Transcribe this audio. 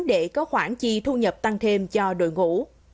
để có khoản chi thu nhập tăng thêm cho đội ngũ